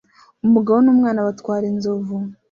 Umugabo n'umwana batwara inzovu